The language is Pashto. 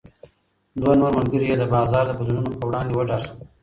دوه نور ملګري یې د بازار د بدلونونو په وړاندې وډار شول.